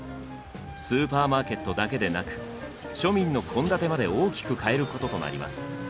スーパーマーケットだけでなく庶民の献立まで大きく変えることとなります。